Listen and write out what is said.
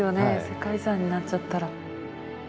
世界遺産になっちゃったら。